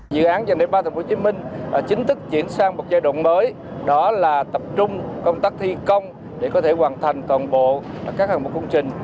dự án dành đại ba tp hcm chính thức diễn sang một giai đoạn mới đó là tập trung công tác thi công để có thể hoàn thành toàn bộ các hành mục công trình